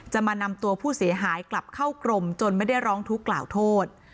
มานำตัวผู้เสียหายกลับเข้ากรมจนไม่ได้ร้องทุกข์กล่าวโทษ